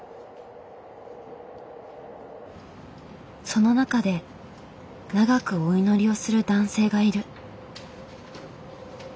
その中で長くお祈りをする男性がいる。